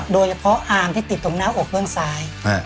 โดยเฉพาะอาร์มที่ติดตรงหน้าอกเบื้องซ้าย